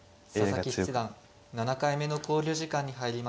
佐々木七段７回目の考慮時間に入りました。